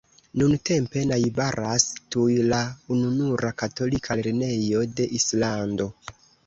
Nuntempe najbaras tuj la ununura katolika lernejo de Islando.